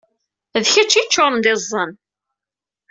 D kečč ay yeččuṛen d iẓẓan.